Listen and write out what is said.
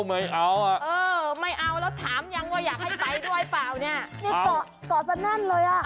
นี่เกาะจัดนั้นเลยอ่ะ